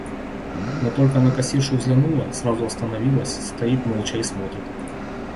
Но только на кассиршу взглянула, сразу остановилась, стоит молча и смотрит.